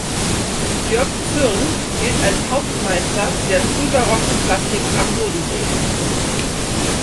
Jörg Zürn gilt als Hauptmeister der frühbarocken Plastik am Bodensee.